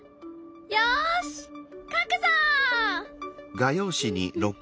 よし描くぞ！